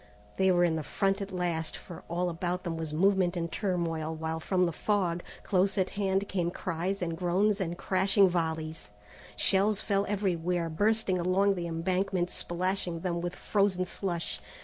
They were in the front at last, for all about them was movement and turmoil, while from the fog, close at hand, came cries and groans and crashing volleys. Shells fell everywhere, bursting along the embankment, splashing them with frozen slush.